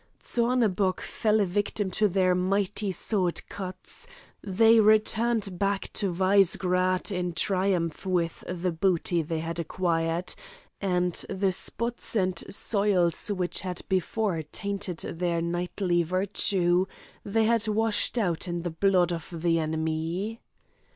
Zornebock fell a victim to their mighty sword cuts; they returned back to Vizegrad in triumph with the booty they had acquired, and the spots and soils which had before tainted their knightly virtue, they had washed out in the blood of the enemy.